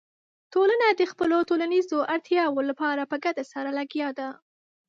ټولنه د خپلو ټولنیزو اړتیاوو لپاره په ګډه سره لګیا ده.